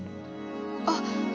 あっ。